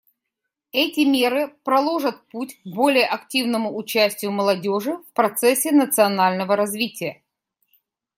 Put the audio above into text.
Эти меры проложат путь к более активному участию молодежи в процессе национального развития.